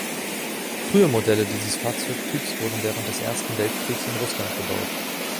Frühe Modelle dieses Fahrzeugtyps wurden während des Ersten Weltkriegs in Russland gebaut.